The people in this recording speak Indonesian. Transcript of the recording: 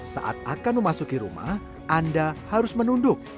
saat akan memasuki rumah anda harus menunduk